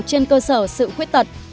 trên cơ sở sự khuyết thật